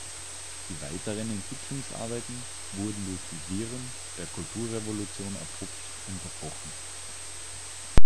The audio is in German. Die weiteren Entwicklungsarbeiten wurden durch die Wirren der Kulturrevolution abrupt unterbrochen.